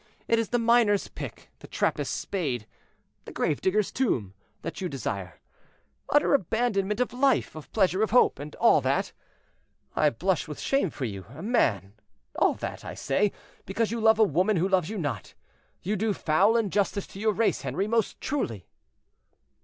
it is the miner's pick, the trappist's spade, the gravedigger's tomb, that you desire; utter abandonment of life, of pleasure, of hope; and all that—I blush with shame for you, a man—all that, I say, because you love a woman who loves you not. You do foul injustice to your race, Henri, most truly."